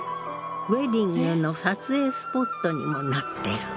ウエディングの撮影スポットにもなってる。